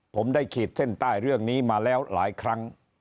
ผมได้ขีดเส้นใต้เรื่องนี้มาแล้วหลายครั้ง